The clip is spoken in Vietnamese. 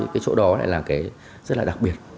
cái chỗ đó lại là cái rất là đặc biệt